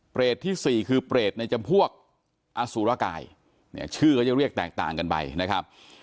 ที่๔คือเปรตในจำพวกอสุรกายเนี่ยชื่อก็จะเรียกแตกต่างกันไปนะครับ